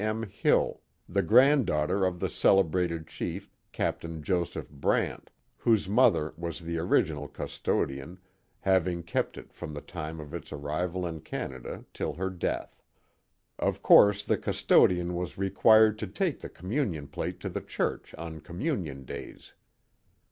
M. Hill, the grand daughter of the celebrated chief, Capt. Joseph Brant, whose mother was the original custodian, having kept it from the time of its arrival in Canada till her death. Of course the custodian was required to take the com* munion plate to the church on communion days.